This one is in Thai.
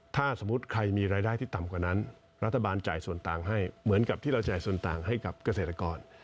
ถ้าสมมุติใครมีรายได้ที่ต่ำกว่านั้นรัฐบาลจ่ายส่วนต่างให้เหมือนกับที่เราจ่ายส่วนต่างให้กับเกษตรกร